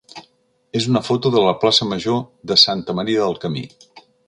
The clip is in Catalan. és una foto de la plaça major de Santa Maria del Camí.